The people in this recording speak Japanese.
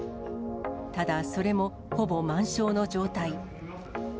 ただそれも、ほぼ満床の状態。